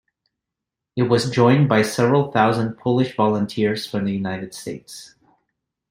It was joined by several thousand Polish volunteers from the United States.